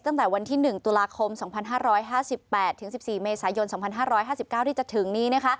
ตั้งแต่วันที่๑ตุลาคม๒๕๕๘ถึง๑๔เมษายน๒๕๕๙ที่จะถึงนี้